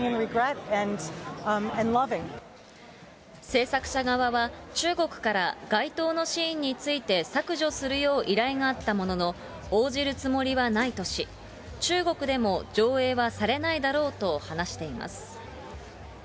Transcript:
製作者側は、中国から該当のシーンについて削除するよう依頼があったものの、応じるつもりはないとし、中国でも上映はされないだろうと話しています。